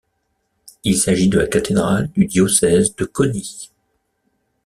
Il s'agit de la cathédrale du diocèse de Coni.